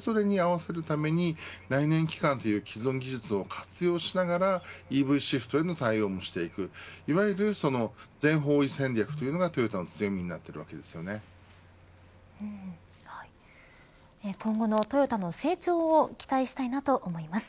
それぞれに合わせるために内燃機関という既存技術を活用しながらＥＶシフトへの対応もしていくいわゆる全方位戦略というのが今後のトヨタの成長を期待したいなと思います。